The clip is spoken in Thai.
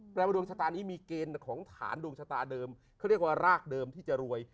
แปลว่าดวงชะตานี้มีเกณฑ์ของฐานดวงชะตาเดิมเขาเรียกว่ารากเดิมที่จะรวย